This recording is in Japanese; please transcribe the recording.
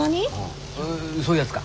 そういうやつか？